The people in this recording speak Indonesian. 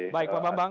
baik pak bambang